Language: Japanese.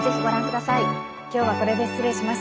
今日はこれで失礼します。